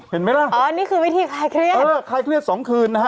เห็นไหมล่ะอ๋อนี่คือวิธีคลายเครียดเออคลายเครียดสองคืนนะฮะ